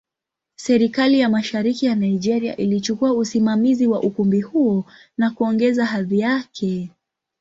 Serikali ya Mashariki ya Nigeria ilichukua usimamizi wa ukumbi huo na kuongeza hadhi yake.